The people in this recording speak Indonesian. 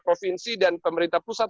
provinsi dan pemerintah pusat